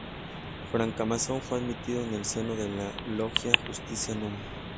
Francmasón, fue admitido en el seno de la logia "Justicia núm.